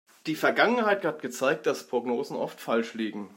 Die Vergangenheit hat gezeigt, dass Prognosen oft falsch liegen.